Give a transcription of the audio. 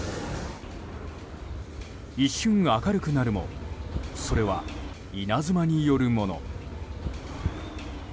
一瞬、明るくなるもそれは稲妻によるもの。